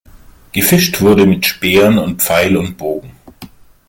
Gefischt wurde mit Speeren und Pfeil und Bogen.